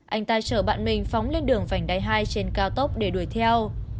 anh tài chở bạn mình phóng lên đường vành đai hai trên cao tốc để đuổi theo